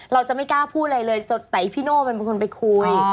เราจะไม่กล้าพูดอะไรเลยแต่พี่โน่มันเป็นคนไปคุย